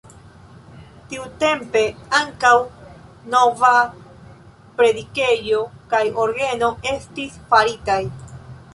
Tiutempe ankaŭ nova predikejo kaj orgeno estis faritaj.